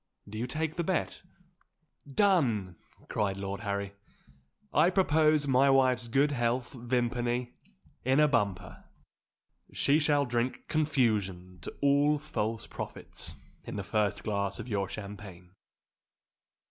Do you take the bet?" "Done!" cried Lord Harry. "I propose my wife's good health, Vimpany, in a bumper. She shall drink confusion to all false prophets in the first glass of your champagne!"